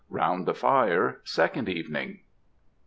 ROUND THE FIRE. SECOND EVENING.